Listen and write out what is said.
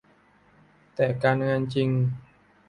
แต่การงานจริง